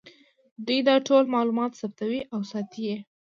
دوی دا ټول معلومات ثبتوي او ساتي یې